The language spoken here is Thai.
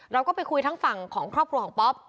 เราก็ไปคุยทั้งฝั่งของครอบครัวของป๊อป